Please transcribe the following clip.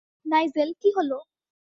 Nigel, কী হলো!